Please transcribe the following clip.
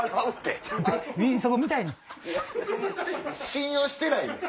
信用してないん？